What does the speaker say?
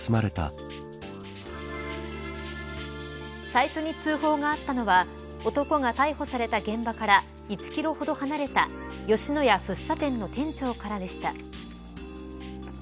最初に通報があったのは男が逮捕された現場から１キロほど離れた吉野家福生店の店長からでした。